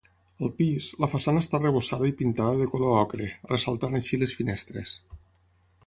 Al pis, la façana està arrebossada i pintada de color ocre, ressaltant així les finestres.